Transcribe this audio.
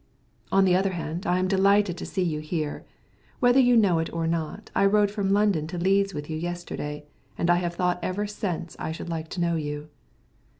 "On the other hand, I am delighted to see you here. Whether you know it or not, I rode from London to Leeds with you yesterday, and I have thought ever since I should like to know you."